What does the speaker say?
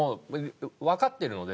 わかってるので。